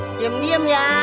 nih diem diem ya